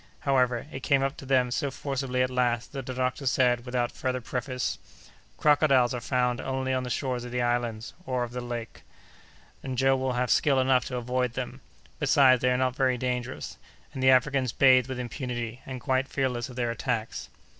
However, it came up to them so forcibly at last that the doctor said, without further preface: "Crocodiles are found only on the shores of the islands or of the lake, and Joe will have skill enough to avoid them. Besides, they are not very dangerous; and the Africans bathe with impunity, and quite fearless of their attacks."